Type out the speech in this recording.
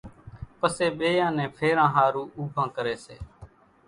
پسيَ ٻيئان نين ڦيران ۿارُو اُوڀان ڪريَ سي۔